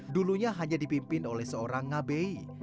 dulunya hanya dipimpin oleh seorang ngabei